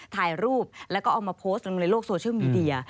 ถ่ายรูปแล้วก็เอามาโพสต์ลงในโลกโซเชียลมีเดีย